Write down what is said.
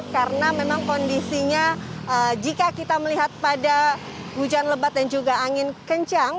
karena memang kondisinya jika kita melihat pada hujan lebat dan juga angin kencang